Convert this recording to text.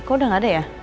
kok udah gak ada ya